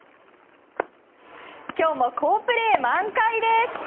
今日も好プレー満開です！